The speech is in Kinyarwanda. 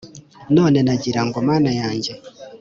none nagira ngo mana yanjye